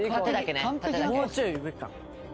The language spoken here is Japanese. もうちょい上か。